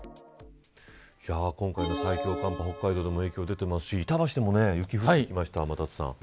今回の最強寒波、北海道でも影響出てますし板橋でも雪が降ってきました、天達さん。